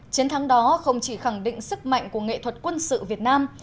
chiến thắng đó không chỉ khẳng định sức mạnh của nghệ thuật quân sự việt nam